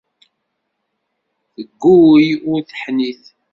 Teggul ur teḥnit.